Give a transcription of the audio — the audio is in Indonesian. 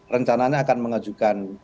rencananya akan mengajukan